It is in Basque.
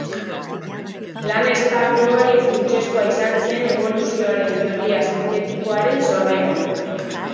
Lan esparru hori funtsezkoa izan zen Eboluzioaren Teoria Sintetikoaren sorreran.